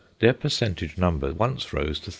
Their percentage number once rose to 34.